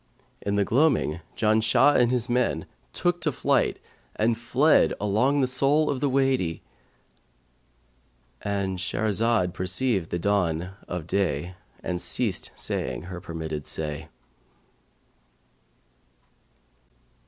In the gloaming Janshah and his men took to flight and fled along the sole of the Wady."—And Shahrazad perceived the dawn of day and ceased saying her permitted say.